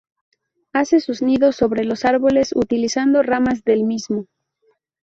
Hace sus nidos sobre los árboles, utilizando ramas del mismo.